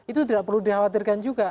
itu tidak perlu dikhawatirkan juga